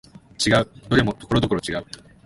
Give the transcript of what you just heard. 違う、どれもところどころ違う